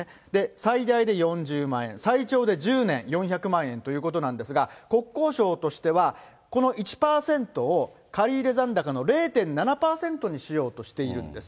最大で４０万円、最長で１０年、４００万円ということなんですが、国交省としては、この１％を、借り入れ残高の０．７％にしようとしているんです。